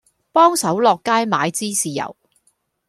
幫手落街買支豉油